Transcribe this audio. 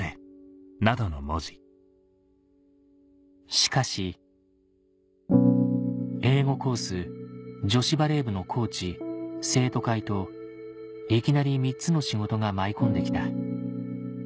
しかし「英語コース女子バレー部のコーチ生徒会といきなり３つの仕事が舞い込んできた」